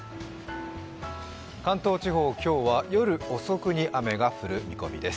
関東地方、今日は夜遅くに雨が降るようです。